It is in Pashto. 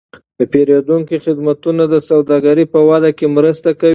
د پیرودونکو خدمتونه د سوداګرۍ په وده کې مرسته کوي.